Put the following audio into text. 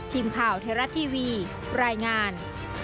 ทีมข่าวไทยรัฐทีวีรายงาน